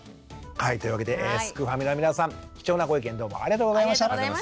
はいというわけですくファミの皆さん貴重なご意見どうもありがとうございました。